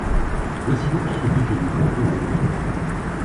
Voici donc ce que je lui proposerais.